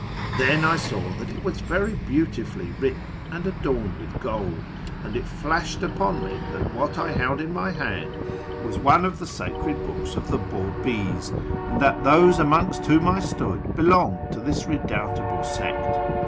Then I saw that it was very beautifully written and adorned with gold, and it flashed upon me that what I held in my hand was one of the sacred books of the Babis, and that those amongst whom I stood belonged to this redoubtable sect.